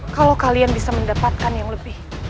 kalau kalian bisa mendapatkan yang lebih